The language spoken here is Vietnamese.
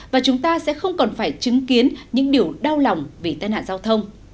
và chúng ta sẽ không còn phải chứng kiến những điều đau lòng vì tai nạn giao thông